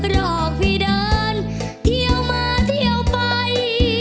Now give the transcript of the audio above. หลอกให้เดินเที่ยวมาเที่ยวไป